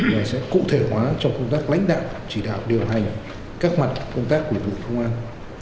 để sẽ cụ thể hóa cho công tác lãnh đạo chỉ đạo điều hành các mặt công tác của bộ công an